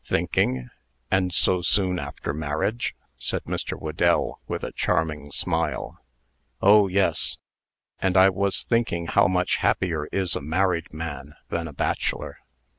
"Thinking and so soon after marriage?" said Mr. Whedell, with a charming smile. "Oh, yes; and I was thinking how much happier is a married man than a bachelor."